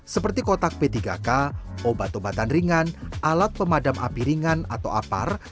seperti kotak p tiga k obat obatan ringan alat pemadam api ringan atau apar